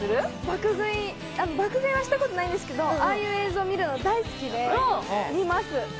爆食いはしたことないんですけど、ああいう映像を見るの大好きで、見ます。